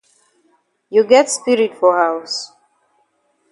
You get spirit for haus?